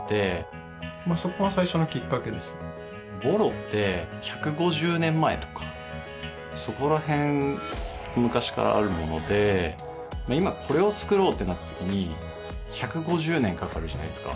襤褸って１５０年前とかそこら辺昔からあるもので今これを作ろうってなったときに１５０年かかるじゃないですか